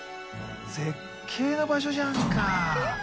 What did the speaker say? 絶景な場所じゃんか。